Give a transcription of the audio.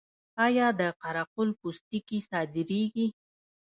آیا د قره قل پوستکي صادریږي؟